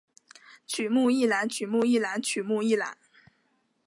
曲目一览曲目一览曲目一览